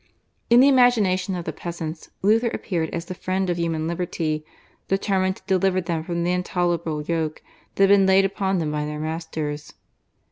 In the imagination of the peasants Luther appeared as the friend of human liberty, determined to deliver them from the intolerable yoke that had been laid upon them by their masters.